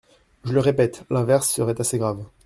Je le répète : l’inverse serait assez grave.